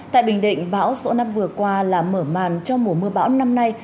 tại bình định bão số năm vừa qua là mở màn cho mùa mưa bão năm nay